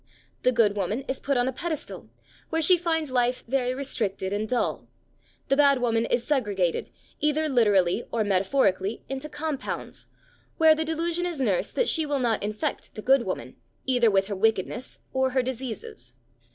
The good woman is put on a pedestal, where she finds life very restricted and dull; the bad woman is segregated, either literally or metaphorically, into compounds, where the delusion is nursed that she will not infect the good woman, either with her wickedness or her diseases.